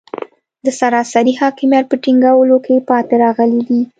د سراسري حاکمیت په ټینګولو کې پاتې راغلي دي.